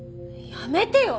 やめてよ！